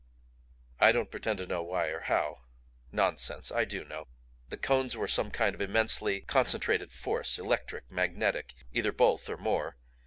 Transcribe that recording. I don't pretend to know why or how. Nonsense! I do know. The cones were some kind of immensely concentrated force electric, magnetic; either or both or more.